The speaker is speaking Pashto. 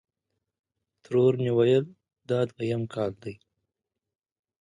ترور مې ویل: دا دویم کال دی.